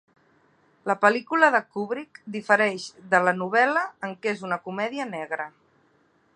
La pel·lícula de Kubrick difereix de la novel·la en que és una comèdia negra.